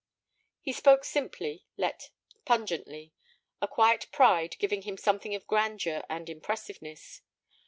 He spoke simply yet pungently, a quiet pride giving him something of grandeur and impressiveness.